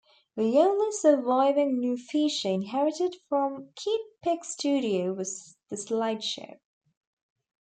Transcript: The only surviving new feature inherited from Kid Pix Studio was the SlideShow.